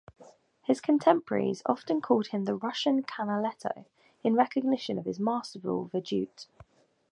His contemporaries often called him the Russian Canaletto, in recognition of his masterful vedute.